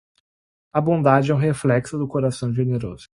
A bondade é um reflexo do coração generoso.